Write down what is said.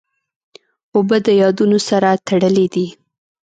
اوبه د یادونو سره تړلې دي.